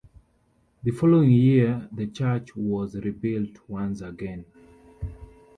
The following year, the church was rebuilt once again.